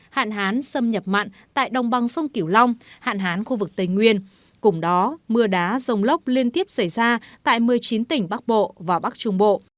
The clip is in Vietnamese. hạn hán xâm nhập mặn tại đồng bằng sông kiểu long hạn hán khu vực tây nguyên cùng đó mưa đá rông lốc liên tiếp xảy ra tại một mươi chín tỉnh bắc bộ và bắc trung bộ